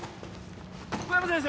小山先生